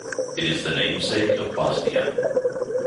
It is the namesake of Bosnia.